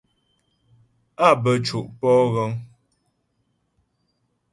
Á bə́ co' pɔ'o ghəŋ.